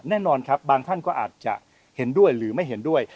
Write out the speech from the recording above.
แน่นอนครับบางท่านก็อาจจะเห็นด้วยหรือไม่เห็นด้วย